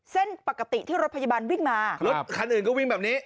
ปกติที่รถพยาบาลวิ่งมารถคันอื่นก็วิ่งแบบนี้